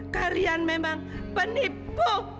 kalian memang penipu